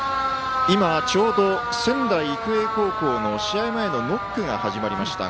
今ちょうど仙台育英高校の試合前のノックが始まりました。